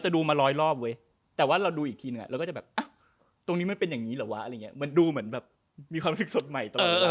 ดูแต่ไม่จำเลือกไม่ได้